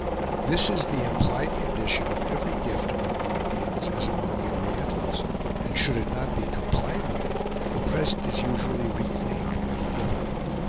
This is the implied condition of every gift among the Indians as among the Orientals, and should it not be complied with the present is usually reclaimed by the giver.